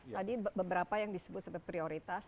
tadi beberapa yang disebut sebut prioritas